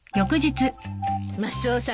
マスオさん